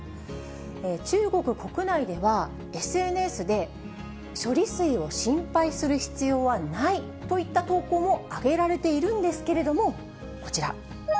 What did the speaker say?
中国国内では、ＳＮＳで処理水を心配する必要はないといった投稿も上げられているんですけれども、こちら。